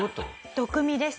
毒見です。